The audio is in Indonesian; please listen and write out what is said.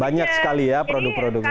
banyak sekali ya produk produknya